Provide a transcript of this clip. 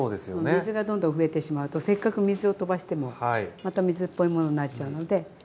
水がどんどん増えてしまうとせっかく水をとばしてもまた水っぽいものになっちゃうので。